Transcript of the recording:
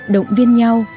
động viên nhau